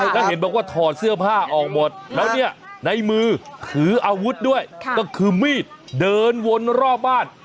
แล้วเห็นบอกว่าถอดเสื้อผ้าออกหมดแล้วเนี่ยในมือถืออาวุธด้วยก็คือมีดเดินวนรอบบ้าน